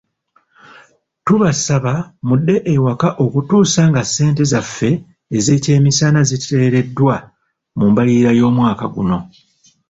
Tubasaba mudde ewaka okutuusa nga ssente zaffe ez'ekyemisana ziteereddwa mu mbalirira y'omwaka guno.